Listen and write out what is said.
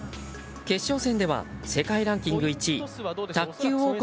決勝戦では世界ランキング１位、卓球王国